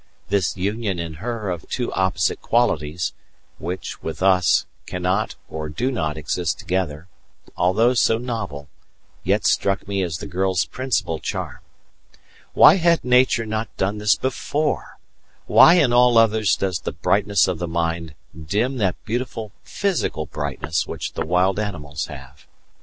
This union in her of two opposite qualities, which, with us, cannot or do not exist together, although so novel, yet struck me as the girl's principal charm. Why had Nature not done this before why in all others does the brightness of the mind dim that beautiful physical brightness which the wild animals have?